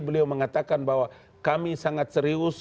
beliau mengatakan bahwa kami sangat serius